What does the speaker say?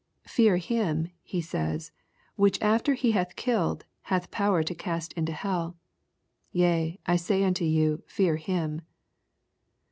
" Fear him," He says, " whiijh after he hath killed, hath power to cast into hell ; yea, I say unto you, fear him."